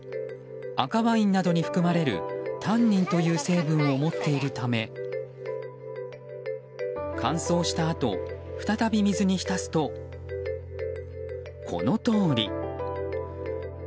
赤ワインなどに含まれるタンニンという成分を持っているため乾燥したあと、再び水に浸すとこのとおり。